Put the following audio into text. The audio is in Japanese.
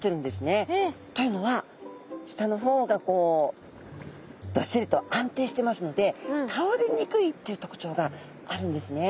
えっ！？というのは下の方がこうどっしりと安定してますのでたおれにくいというとくちょうがあるんですね。